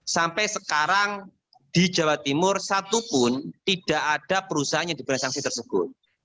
sampai sekarang di jawa timur satupun tidak ada perusahaan yang diberi sanksi tersebut